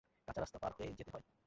কাঁচা রাস্তা পার হয়ে যেতে হয়।